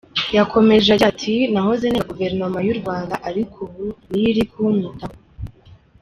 Yakomeje agira ati “Nahoze nenga guverinoma y’u Rwanda ariko ubu niyo iri kunyitaho.